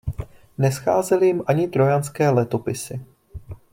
Nescházely jim ani Trojanské letopisy.